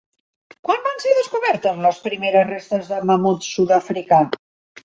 Quan van ser descobertes les primeres restes de mamut sud-africà?